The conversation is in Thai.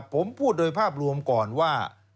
ผมพูดโดยภาพรวมก่อนว่า